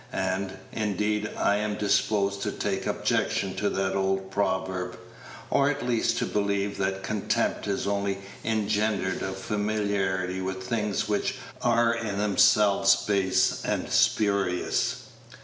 And, indeed, I am disposed to take objection to that old proverb, or at least to believe that contempt is only engendered of familiarity with things which are in themselves base and spurious.